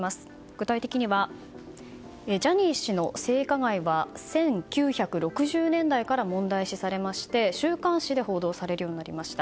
具体的にはジャニー氏の性加害は１９６０年代から問題視されまして週刊誌で報道されるようになりました。